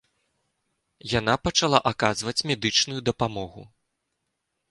Яна пачала аказваць медычную дапамогу.